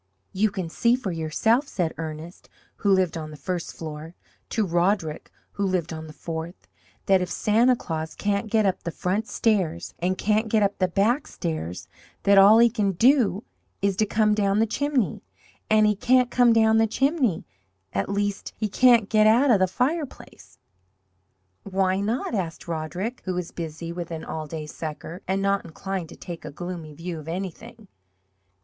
"You can see for yourself," said Ernest, who lived on the first floor, to Roderick who lived on the fourth, "that if Santa Claus can't get up the front stairs, and can't get up the back stairs, that all he can do is to come down the chimney. And he can't come down the chimney at least, he can't get out of the fireplace." "Why not?" asked Roderick, who was busy with an "all day sucker" and not inclined to take a gloomy view of anything.